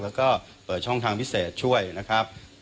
แล้วก็เปิดช่องทางพิเศษช่วยนะครับ